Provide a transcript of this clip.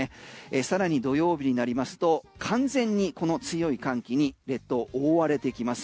さらに土曜日になりますと完全にこの強い寒気に列島、覆われていきます。